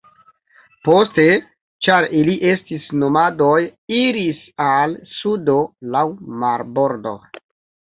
Poste, ĉar ili estis nomadoj, iris al sudo laŭ marbordo.